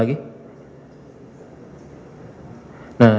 lagi bentar lagi